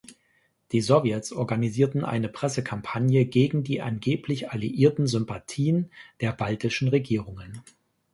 Die Sowjets organisierten eine Pressekampagne gegen die angeblich alliierten Sympathien der baltischen Regierungen.